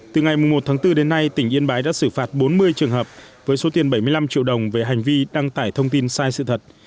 từ ngày một tháng bốn đến nay tỉnh yên bái đã xử phạt bốn mươi trường hợp với số tiền bảy mươi năm triệu đồng về hành vi đăng tải thông tin sai sự thật